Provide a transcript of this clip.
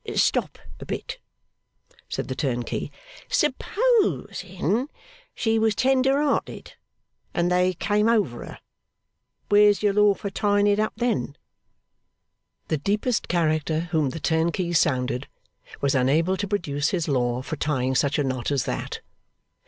'Stop a bit,' said the turnkey. 'Supposing she was tender hearted, and they came over her. Where's your law for tying it up then?' The deepest character whom the turnkey sounded, was unable to produce his law for tying such a knot as that.